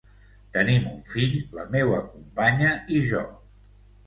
Tenim un fill la meua companya i jo.